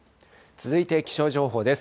続いて気象情報です。